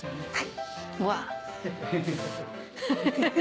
はい。